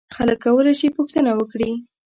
خلک کولای شي پوښتنه وکړي.